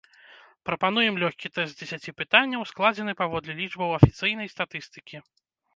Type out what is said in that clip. Прапануем лёгкі тэст з дзесяці пытанняў, складзены паводле лічбаў афіцыйнай статыстыкі.